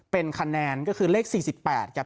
เป็นคะแนนก็คือเลข๔๘ครับ